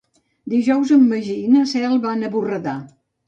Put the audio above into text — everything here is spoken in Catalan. Dijous en Magí i na Cel van a Borredà.